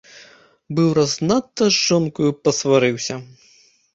Быў раз надта з жонкаю пасварыўся.